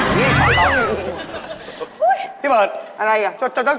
จำหน้ากูได้